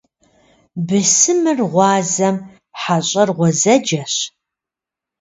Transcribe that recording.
Бысымыр гъуазэм, хьэщӏэр гъуэзэджэщ.